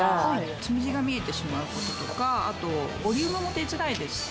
つむじが見えてしまう事とかあとボリュームも出づらいですし。